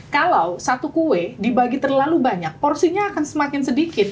kalau satu kue dibagi terlalu banyak porsinya akan semakin sedikit